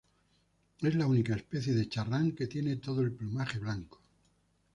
Es la única especie de charrán que tiene todo el plumaje blanco.